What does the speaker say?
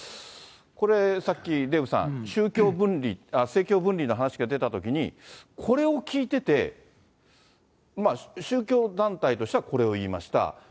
これ、さっきデーブさん、宗教分離、政教分離の話が出たときに、これを聞いてて、宗教団体としてはこれを言いました。